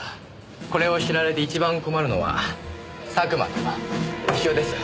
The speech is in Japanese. これを知られて一番困るのは佐久間と潮です。